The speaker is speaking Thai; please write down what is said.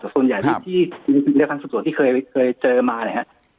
แต่ส่วนใหญ่ที่ในทางส่วนที่เคยเจอมาเนี่ยฮะ